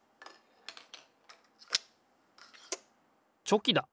チョキだ！